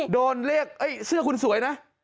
โดนเรียกเสื้อคุณสวยนะ